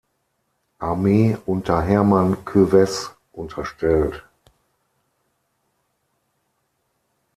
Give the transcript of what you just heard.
Armee unter Hermann Kövess unterstellt.